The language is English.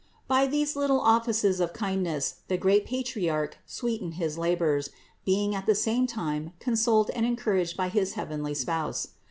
By these little offices of kindness the great Patriarch sweetened his labors, being at the same time consoled and encouraged by his, heavenly Spouse.